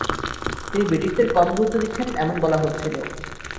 তিনি ব্রিটিশদের কম গুরুত্ব দিচ্ছেন এমন বলা হচ্ছিল।